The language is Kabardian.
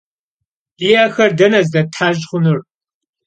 Di'exer dene zdettheş' xhunur?